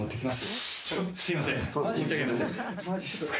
すいません。